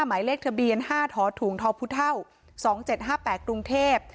หมายเลขทะเบียน๕ถอดถุงทอพุท่าว๒๗๕๘รุงเทพฯ